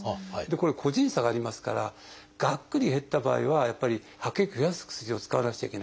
これ個人差がありますからがっくり減った場合はやっぱり白血球増やす薬を使わなくちゃいけないと。